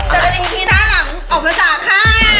จะเป็นอีกพี่ท่านหลังออกมาจากค่ะ